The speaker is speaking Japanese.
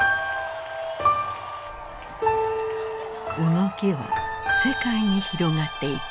動きは世界に広がっていく。